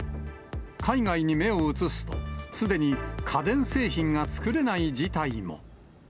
海外に目を移すと、すでに家電製品が作れない事態も。